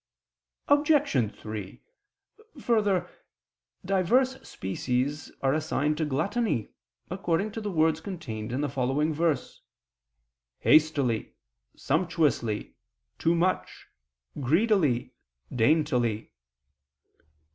Obj. 3: Further, diverse species are assigned to gluttony, according to the words contained in the following verse: "Hastily, sumptuously, too much, greedily, daintily."